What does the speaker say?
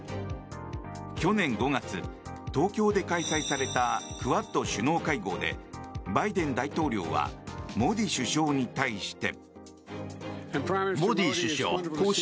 去年５月、東京で開催されたクアッド首脳会合でバイデン大統領はモディ首相に対して。